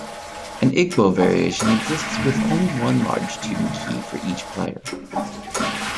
An Igbo variation exists with only one large tuned key for each player.